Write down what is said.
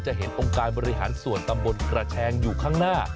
เห็นองค์การบริหารส่วนตำบลกระแชงอยู่ข้างหน้า